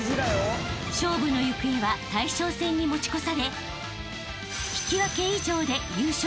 ［勝負の行方は大将戦に持ち越され］